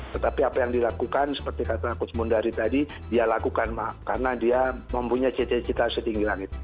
tetapi apa yang dilakukan seperti kata coach mundari tadi dia lakukan karena dia mempunyai cita cita setinggi langit